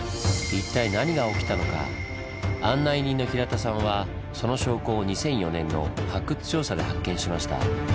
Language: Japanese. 案内人の平田さんはその証拠を２００４年の発掘調査で発見しました。